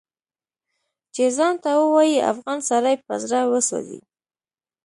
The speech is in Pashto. چې ځان ته ووايي افغان سړی په زړه وسوځي